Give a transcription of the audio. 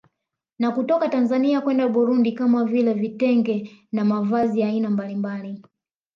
Na kutoka Tanzania kwenda Burundi kama vile Vitenge na mavazi ya aina mbalimbali